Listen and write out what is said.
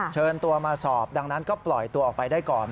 เชิญตัวมาสอบดังนั้นก็ปล่อยตัวออกไปได้ก่อน